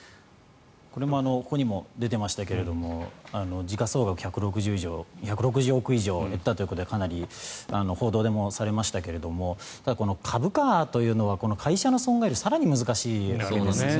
これもここにも出ていましたが時価総額１６０億以上減ったということでかなり報道でもされましたがただ、株価というのは会社の損害より更に難しいわけですよね。